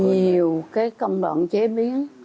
nhiều cái công đoạn chế biến